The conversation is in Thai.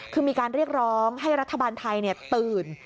คือมีการเรียกร้องให้รัฐบาลไทยตื่น